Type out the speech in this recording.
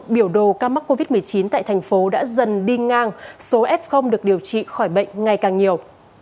biểu đồ ca mắc covid một mươi chín tại thành phố đã dần đi ngang số f được điều trị khỏi bệnh ngày càng nhiều